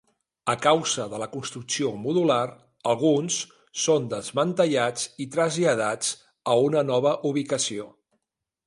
A causa de la construcció modular, alguns són desmantellats i traslladats a una nova ubicació.